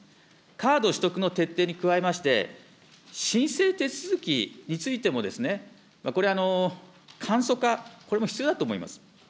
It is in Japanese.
カード取得の徹底に加えまして、申請手続きについても、これ、簡素化、これも必要だと思います。